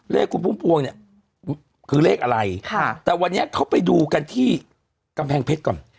เลขคุณพุ่มพวงเนี่ยคือเลขอะไรแต่วันนี้เขาไปดูกันที่กำแพงเพชรก่อน